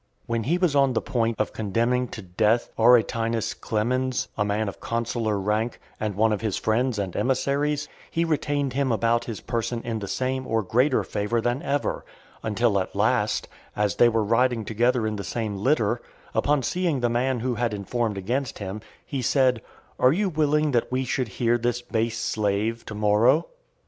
When he was on the point of condemning to death Aretinus Clemens, a man of consular rank, and one of his friends and emissaries, he retained him about his person in the same or greater favour than ever; until at last, as they were riding together in the same litter, upon seeing the man who had informed against him, he said, "Are you willing that we should hear this base slave tomorrow?"